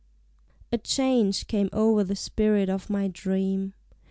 A change came o'er the spirit of my dream.